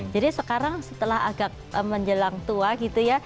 jadi sekarang setelah agak menjelang tua gitu ya